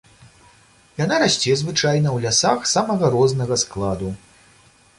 Яна расце звычайна ў лясах самага рознага складу.